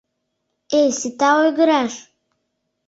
Эй, сита ойгыраш: